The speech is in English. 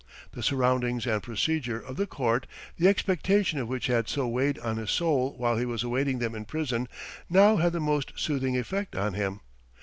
The surroundings and procedure of the court, the expectation of which had so weighed on his soul while he was awaiting them in prison, now had the most soothing effect on him.